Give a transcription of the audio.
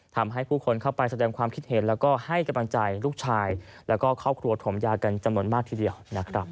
ทำให้ผู้คนเข้าไปแสดงความคิดเห็นแล้วก็ให้กำลังใจลูกชายแล้วก็ครอบครัวถมยากันจำนวนมากทีเดียวนะครับ